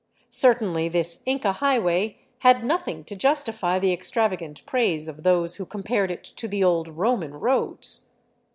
Cer tainly this Inca highway had nothing to justify the extravagant praise of those who compared it to the old Roman roads.